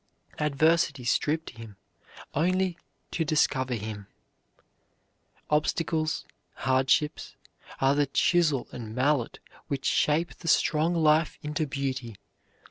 Adversity stripped him only to discover him. Obstacles, hardships, are the chisel and mallet which shape the strong life into beauty.